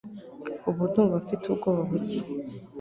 Ubu ndumva mfite ubwoba buke.